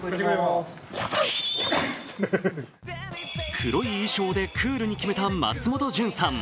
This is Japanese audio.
黒い衣装でクールに決めた松本潤さん。